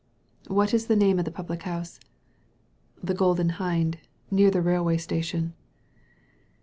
"What is the name of the public house? "" The Golden Hind, near the railway station.